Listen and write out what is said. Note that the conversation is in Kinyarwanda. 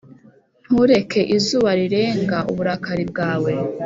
ntureke izuba rirenga uburakari bwawe